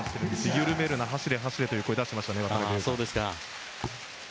緩めるな、走れ、走れという声を出していました、渡邊雄太。